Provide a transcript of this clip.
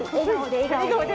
笑顔で。